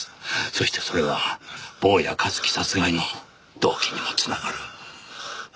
そしてそれは坊谷一樹殺害の動機にも繋がる。